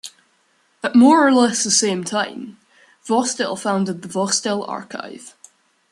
At more or less the same time, Vostell founded the Vostell Archive.